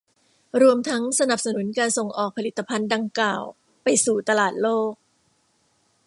รวมทั้งสนับสนุนการส่งออกผลิตภัณฑ์ดังกล่าวไปสู่ตลาดโลก